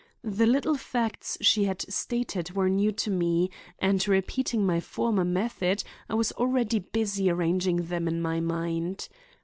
The little facts she had stated were new to me and, repeating my former method, I was already busy arranging them in my mind.